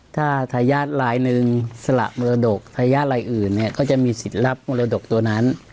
ถ้าทายาทลายหนึ่งสละมรดกทายาทรายอื่นเนี่ยก็จะมีสิทธิ์รับมรดกตัวนั้น